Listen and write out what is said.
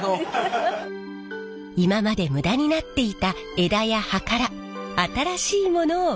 今まで無駄になっていた枝や葉から新しいものを生み出す。